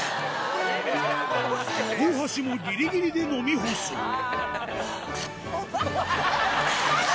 大橋もギリギリで飲み干す最後